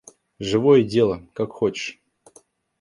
Живое дело, как хочешь!